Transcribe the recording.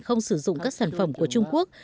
không sử dụng các sản phẩm của trung quốc